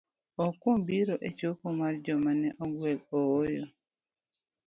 Ok kuom biro e choko mar joma ne ogwel, ooyo.